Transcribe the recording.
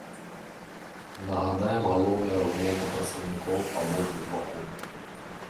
Нагадаем галоўныя аргументы прадстаўнікоў абодвух бакоў.